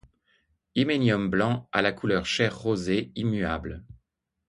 Hyménium blanc à la couleur chair rosée, immuable.